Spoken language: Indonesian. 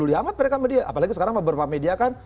dia amat mereka media apalagi sekarang beberapa media kan